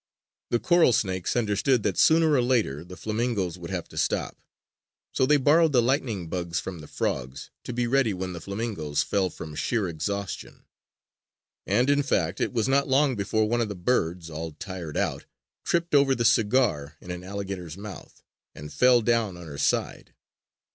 The coral snakes understood that sooner or later the flamingoes would have to stop. So they borrowed the lightning bugs from the frogs, to be ready when the flamingoes fell from sheer exhaustion. And in fact, it was not long before one of the birds, all tired out, tripped over the cigar in an alligator's mouth, and fell down on her side.